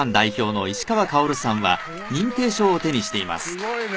すごいね。